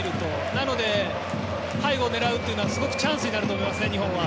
なので背後を狙うというのはすごくチャンスになると思いますね、日本は。